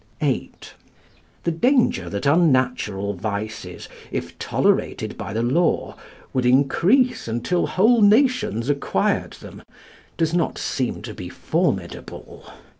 VIII. The danger that unnatural vices, if tolerated by the law, would increase until whole nations acquired them, does not seem to be formidable.